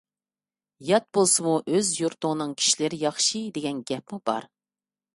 «يات بولسىمۇ ئۆز يۇرتۇڭنىڭ كىشىلىرى ياخشى» دېگەن گەپمۇ بار.